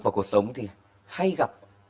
và cuộc sống thì hay gặp